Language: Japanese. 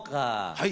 はい。